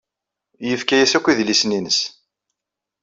Yefka-as akk idlisen-nnes.